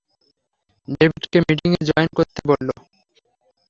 ডেভিডকে মিটিংয়ে জয়েন করতে বলো।